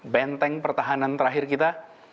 benteng pertahanan terakhir kita